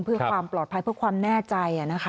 เพื่อความปลอดภัยเพื่อความแน่ใจ